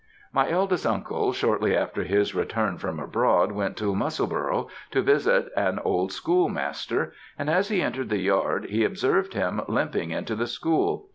My eldest uncle shortly after his return from abroad went to Musselburgh to visit an old school master, and as he entered the yard he observed him limping into the school.